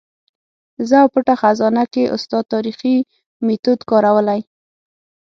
زه او پټه خزانه کې استاد تاریخي میتود کارولی.